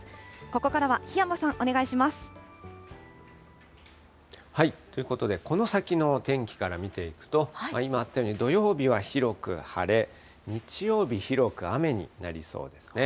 ここからは檜山さん、お願いしまということで、この先の天気から見ていくと、今あったように、土曜日は広く晴れ、日曜日、広く雨になりそうですね。